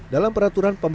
dalam peraturan pembangunan